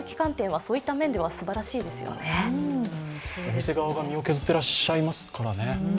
お店側が身を削っていらっしゃいますからね。